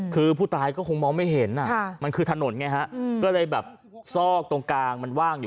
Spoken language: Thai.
คือผู้ตายก็คงมองไม่เห็นมันคือถนนไงฮะก็เลยแบบซอกตรงกลางมันว่างอยู่